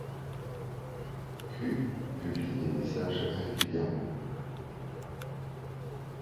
Q publie des messages régulièrement.